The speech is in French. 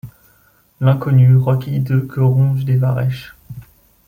L’inconnu, rocs hideux que rongent des varechs